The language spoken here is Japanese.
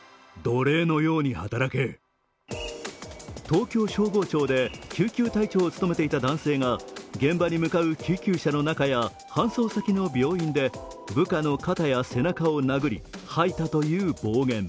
東京消防庁で救急隊長を務めていた男性が現場に向かう救急車の中や搬送先の病院で部下の肩や背中を殴り、はいたという暴言。